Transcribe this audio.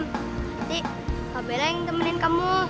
nanti pak bella yang temenin kamu